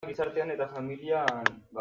Baimena ematen dietenean esaten ari dira.